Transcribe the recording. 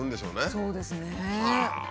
そうですね。はあ！